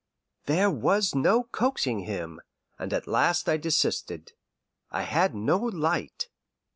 There was no coaxing him, and at last I desisted. I had no light.